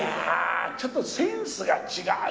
ちょっとセンスが違うな。